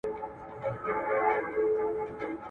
ډله ییزه کاردستي د همکارۍ احساس زیاتوي.